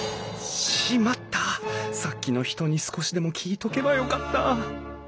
さっきの人に少しでも聞いとけばよかった